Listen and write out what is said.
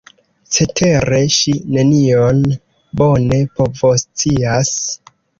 Cetere ŝi nenion bone povoscias.